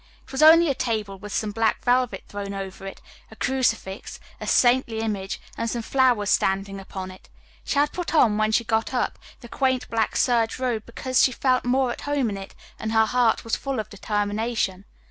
It was only a table with some black velvet thrown over it, a crucifix, a saintly image, and some flowers standing upon it. She had put on, when she got up, the quaint black serge robe, because she felt more at home in it, and her heart was full of determination.